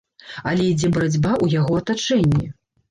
Але ідзе барацьба ў яго атачэнні.